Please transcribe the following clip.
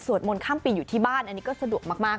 มนต์ข้ามปีอยู่ที่บ้านอันนี้ก็สะดวกมาก